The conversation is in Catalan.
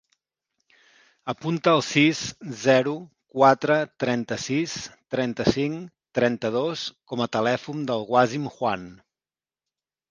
Apunta el sis, zero, quatre, trenta-sis, trenta-cinc, trenta-dos com a telèfon del Wasim Juan.